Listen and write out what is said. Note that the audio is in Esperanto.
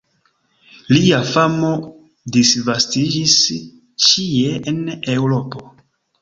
Lia famo disvastiĝis ĉie en Eŭropo.